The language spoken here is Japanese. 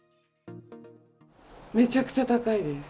めちゃくちゃ高いです。